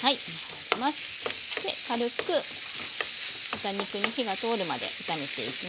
軽く豚肉に火が通るまで炒めていきます。